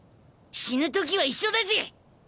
死ぬときは一緒だぜ！